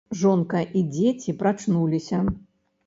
Жонка і дзеці прачнуліся.